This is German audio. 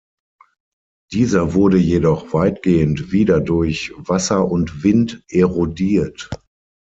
Dieser wurde jedoch weitgehend wieder durch Wasser und Wind erodiert.